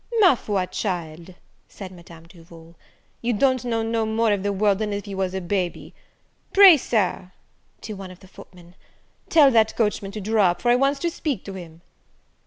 "Ma foi, child," said Madame Duval, "you don't know no more of the world that if you was a baby. Pray, Sir, (to one of the footmen) tell that coachman to draw up, for I wants to speak to him."